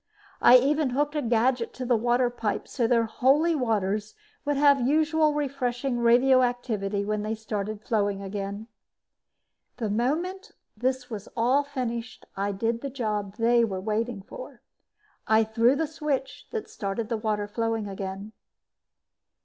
I even hooked a gadget to the water pipe so their Holy Waters would have the usual refreshing radioactivity when they started flowing again. The moment this was all finished, I did the job they were waiting for. I threw the switch that started the water flowing again.